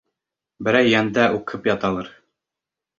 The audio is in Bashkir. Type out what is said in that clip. Берәй йәндә үкһеп яралыр...